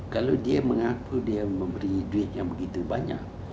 kalau dia mengaku dia memberi duit yang begitu banyak